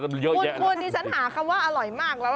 คุณดิฉันหาคำว่าอร่อยมากแล้ว